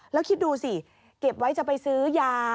แล้วคิดดูสิเก็บไว้จะไปซื้อยา